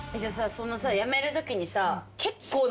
そのさ辞めるときにさ。